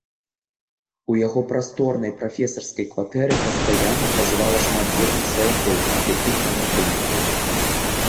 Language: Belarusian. У яго прасторнай прафесарскай кватэры пастаянна пражывала шмат бедных сваякоў, якіх ён утрымліваў.